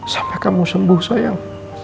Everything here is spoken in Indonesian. sampai kamu sembuh sayang